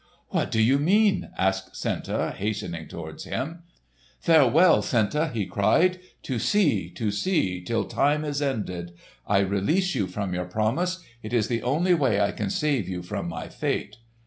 "What do you mean?" asked Senta, hastening towards him. "Farewell, Senta!" he cried. "To sea, to sea, till time is ended! I release you from your promise! It is the only way I can save you from my fate!"